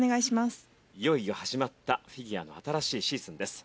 いよいよ始まったフィギュアの新しいシーズンです。